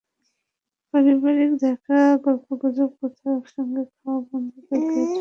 পারস্পরিক দেখা, গল্পগুজব, কোথাও একসঙ্গে খাওয়া, বন্ধুদের গেট টুগেদারে অংশগ্রহণ—এসব এখন ডালভাত।